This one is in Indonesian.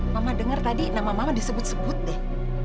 mama dengar tadi nama mama disebut sebut deh